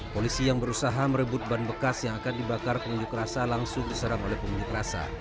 polisi yang berusaha merebut ban bekas yang akan dibakar pengunjuk rasa langsung diserang oleh pengunjuk rasa